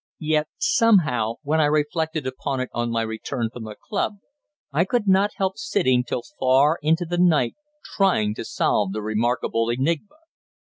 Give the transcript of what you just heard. Yet, some how, when I reflected upon it on my return from the club, I could not help sitting till far into the night trying to solve the remarkable enigma.